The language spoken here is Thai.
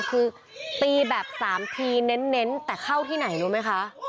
คือตีแบบ๓ทีเน้นแต่เข้าที่ไหนรู้ไหมคะ